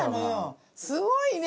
すごいね！